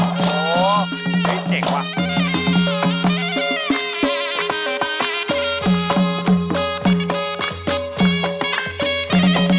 สวัสดีครับ